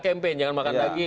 aksesibilitas atau tidak